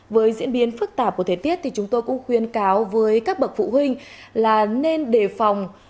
với diễn biến phức tạp của thế tiết thì chúng tôi cũng khuyên cáo với các bậc phụ huynh là nên đề phòng